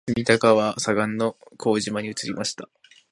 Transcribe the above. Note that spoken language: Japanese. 隅田川左岸の向島に移りました